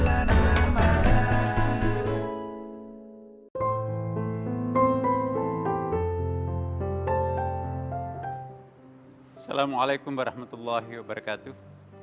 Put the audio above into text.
assalamualaikum warahmatullahi wabarakatuh